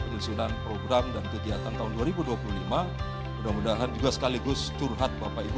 penyusunan program dan kegiatan tahun dua ribu dua puluh lima mudah mudahan juga sekaligus curhat bapak ibu